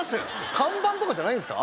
看板とかじゃないんすか？